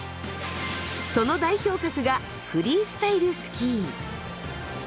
その代表格がフリースタイルスキー。